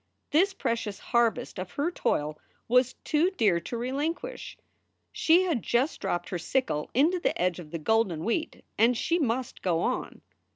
This precious harvest of her toil was too dear to relin quish. She had just dropped her sickle into the edge of the golden wheat and she must go on.